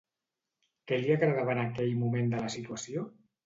Què li agradava en aquell moment de la situació?